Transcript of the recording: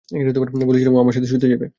বলেছিলাম ও আমার সাথে শুতে চাইবে।